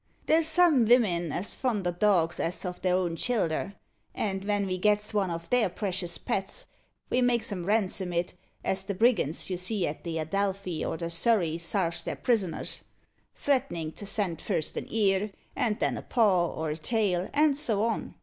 There's some vimen as fond o' dogs as o' their own childer, and ven ve gets one o' their precious pets, ve makes 'em ransom it as the brigands you see at the Adelphi or the Surrey sarves their prisoners, threatenin' to send first an ear, and then a paw, or a tail, and so on.